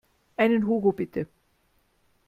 Einen Hugo bitte.